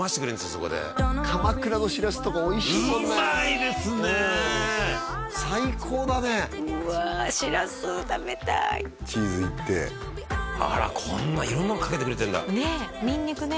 そこで鎌倉のしらすとかおいしいもんな旨いですね最高だねうわしらす食べたいチーズいってあらこんな色んなのかけてくれてんだねえ